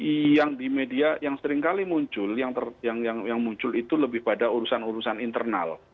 yang di media yang seringkali muncul yang muncul itu lebih pada urusan urusan internal